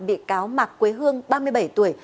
bị cáo mạc quế hương ba mươi bảy tuổi